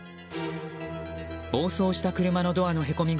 暴走した車のドアのへこみ